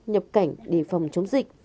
nhập cảnh để phòng chống dịch